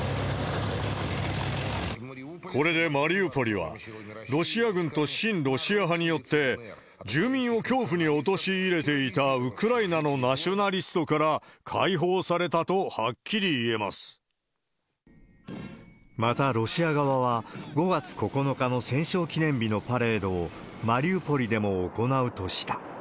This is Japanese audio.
これでマリウポリは、ロシア軍と親ロシア派によって、住民を恐怖に陥れていたウクライナのナショナリストから解放されまた、ロシア側は５月９日の戦勝記念日のパレードを、マリウポリでも行うとした。